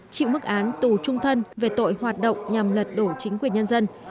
chịu mức án tù trung thân về tội hoạt động nhằm lật đổ chính quyền nhân dân